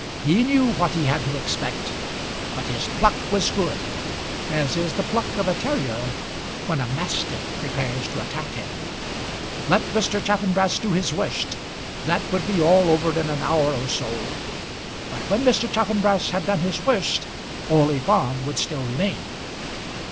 He knew what he had to expect; but his pluck was good, as is the pluck of a terrier when a mastiff prepares to attack him. Let Mr. Chaffanbrass do his worst; that would all be over in an hour or so. But when Mr. Chaffanbrass had done his worst, Orley Farm would still remain.